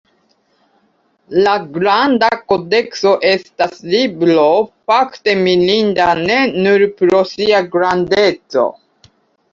La Granda Kodekso estas libro fakte mirinda ne nur pro sia grandeco.